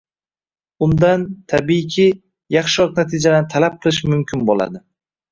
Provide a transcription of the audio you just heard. undan, tabiiyki, yaxshiroq natijalarni talab qilish mumkin bo‘ladi.